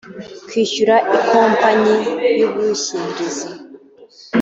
kwishyura ikompanyi y’ubwishingizi